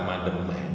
jadi lebih baik